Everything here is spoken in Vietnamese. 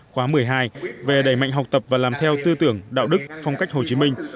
khóa một mươi hai về đẩy mạnh học tập và làm theo tư tưởng đạo đức phong cách hồ chí minh